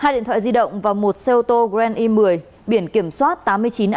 hai điện thoại di động và một xe ô tô grand i một mươi biển kiểm soát tám mươi chín a chín nghìn hai trăm một mươi một